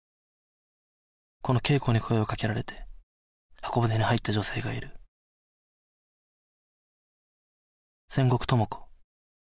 この恵子に声をかけられて方舟に入った女性がいる千石朋子